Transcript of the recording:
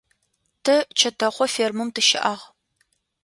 Тэ чэтэхъо фермэм тыщыӏагъ.